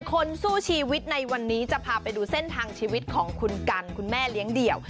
คนสู้ชีวิตในวันนี้จะพาไปดูเส้นทางชีวิตของคุณกันคุณแม่เลี้ยงเดี่ยว